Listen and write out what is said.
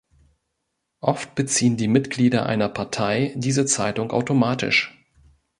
Oft beziehen die Mitglieder einer Partei diese Zeitung automatisch.